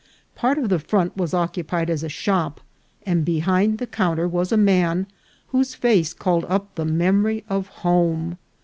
Part of the front was occupied as a shop, and behind the counter was a man whose face called up the memory of home.